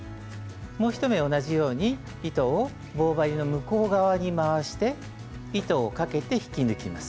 もう一目同じように糸を棒針の向こう側に回して糸をかけて引き抜きます。